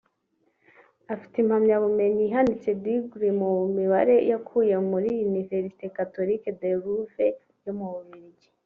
Afite impamyabumenyi ihanitse (degree) mu mibare yakuye muri Université Catholique de Louvain yo mu Bubiligi